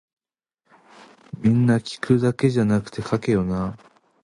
皆聞くだけじゃなくて書けよな